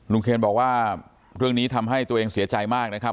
เคนบอกว่าเรื่องนี้ทำให้ตัวเองเสียใจมากนะครับ